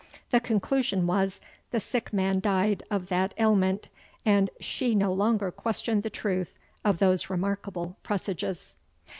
The conclusion was, the sick man died of that ailment, and she no longer questioned the truth of those remarkable presages."